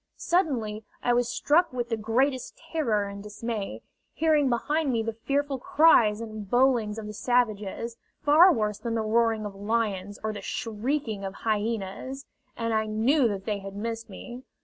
Suddenly I was struck with the greatest terror and dismay, hearing behind me the fearful cries and bowlings of the savages, far worse than the roaring of lions or the shrieking of hyenas; and I knew that they had missed me.